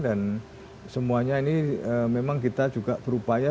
dan semuanya ini memang kita juga berupaya